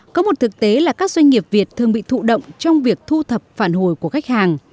có một thực tế là các doanh nghiệp việt thường bị thụ động trong việc thu thập phản hồi của khách hàng